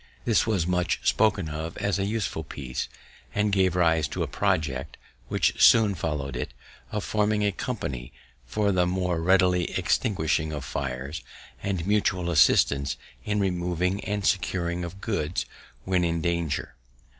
This was much spoken of as a useful piece, and gave rise to a project, which soon followed it, of forming a company for the more ready extinguishing of fires, and mutual assistance in removing and securing of goods when in danger.